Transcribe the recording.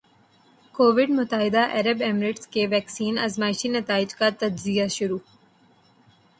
Covid متحدہ عرب امارات کے ویکسین آزمائشی نتائج کا تجزیہ شر